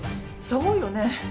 そうよね。